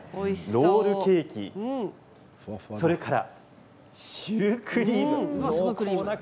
ロールケーキそれからシュークリーム。